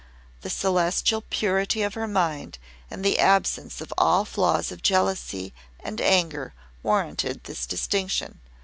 The celestial purity of her mind and the absence of all flaws of jealousy and anger warranted this distinction.